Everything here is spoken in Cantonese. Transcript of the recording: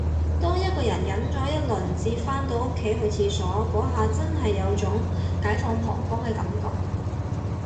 當一個人忍咗一輪至返到屋企去廁所，嗰下真係有種解放膀胱嘅感覺